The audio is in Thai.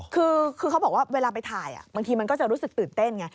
คือเขาบอกว่าเวลาไปถ่ายบางทีมันก็จะรู้สึกตื่นเต้นไง